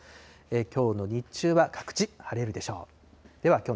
きょうの日中は各地、晴れるでしょう。